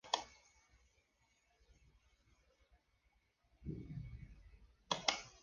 Luego, construyeron casonas coloniales, catedrales, templos y capillas sobre los palacios incas.